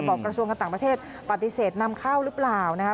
กระทรวงการต่างประเทศปฏิเสธนำเข้าหรือเปล่านะคะ